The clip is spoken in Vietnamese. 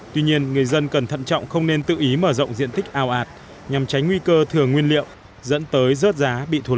tuy nhiên người dân cần thận trọng không nên tự ý mở rộng diện tích ao ạt nhằm tránh nguy cơ thừa nguyên liệu dẫn tới rớt giá bị thuột